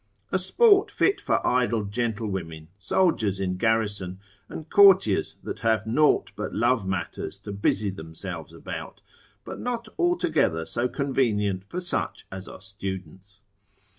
A sport fit for idle gentlewomen, soldiers in garrison, and courtiers that have nought but love matters to busy themselves about, but not altogether so convenient for such as are students.